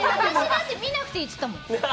見なくていいって言ったもん。